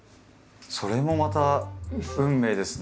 それもまた運命ですね。